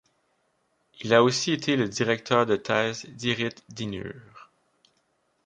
Il a aussi été le directeur de thèse d'Irit Dinur.